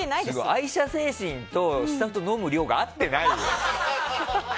愛社精神とスタッフと飲む量が合ってないよ。